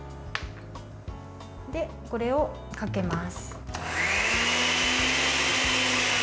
これをかけます。